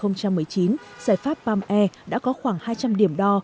giải pháp pam e đã có khoảng hai trăm linh điểm đo